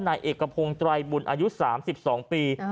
นายเอกพงศ์ไตรบุญอายุ๓๒ปี